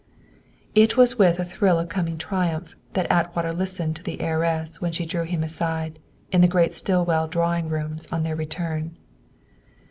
It was with a thrill of coming triumph that Atwater listened to the heiress when she drew him aside, in the great Stillwell drawing rooms, on their return.